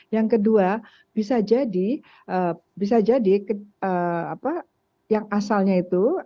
yang kedua bisa jadi bisa jadi yang asalnya itu